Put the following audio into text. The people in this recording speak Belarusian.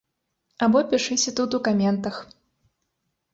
Або пішыце тут у каментах.